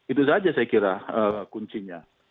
itu saja saya kira kuncinya